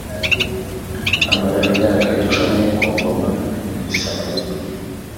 amara imyaka icumi ku ngoma i Samariya